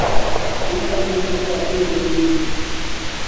Ìrzɔ́ ndí mǎjǎ éělélé.